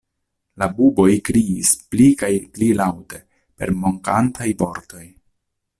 La buboj kriis pli kaj pli laŭte per mokantaj vortoj.